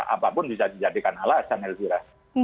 apapun bisa dijadikan alasan elvira